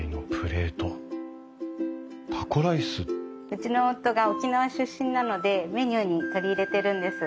うちの夫が沖縄出身なのでメニューに取り入れてるんです。